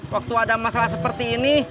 waktu ada masalah seperti ini